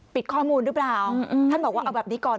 ข้อมูลหรือเปล่าท่านบอกว่าเอาแบบนี้ก่อน